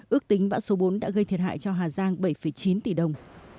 ước tính bão số bốn đã gây thiệt hại cho hà giang bảy chín tỷ đồng